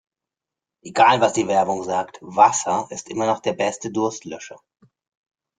Egal was die Werbung sagt, Wasser ist immer noch der beste Durstlöscher.